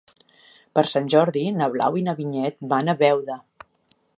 Per Sant Jordi na Blau i na Vinyet van a Beuda.